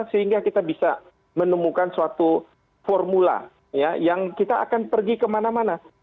sehingga kita bisa menemukan suatu formula yang kita akan pergi kemana mana